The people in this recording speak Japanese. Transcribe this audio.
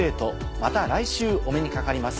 また来週お目にかかります。